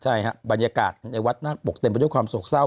ใช่ฮะบรรยากาศในวัดนาคปกเต็มไปด้วยความโศกเศร้า